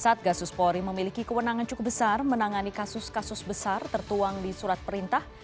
satgasus polri memiliki kewenangan cukup besar menangani kasus kasus besar tertuang di surat perintah